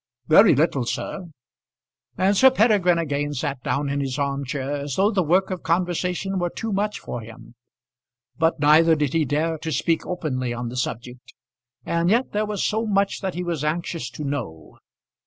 "Very little, sir." And Sir Peregrine again sat down in his arm chair as though the work of conversation were too much for him. But neither did he dare to speak openly on the subject; and yet there was so much that he was anxious to know.